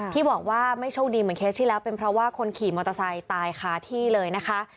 ที่บอกว่าไม่โชคดีเหมือนเคสที่แล้วเป็นเพราะว่าคนขี่มอเตอร์ไซค์ตายค้าที่เลยนะคะ